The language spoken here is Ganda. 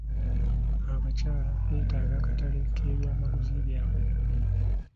Abakyala beetaaga akatale k'ebyamaguzi byabwe.